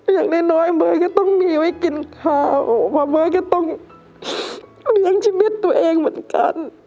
อย่างน้อยน้อยก็ต้องมีไว้กินข้าวเพราะเมย์ก็ต้องเลี้ยงชีวิตตัวเองเหมือนกัน